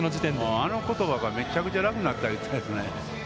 あの言葉がめちゃくちゃ楽になったですね。